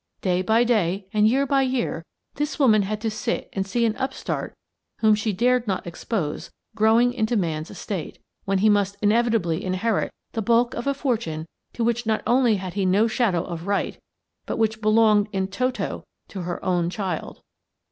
Day by day and year by year, this woman had to sit and see an upstart whom she dared not expose growing into man's estate, when he must inevitably inherit the bulk of a fortune to which not only had he no shadow of right, but which belonged in toto to her own child.